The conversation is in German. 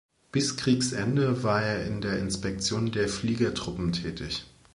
Bis Kriegsende war er in der Inspektion der Fliegertruppen tätig.